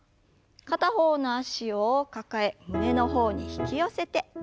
片方の脚を抱え胸の方に引き寄せて戻す運動です。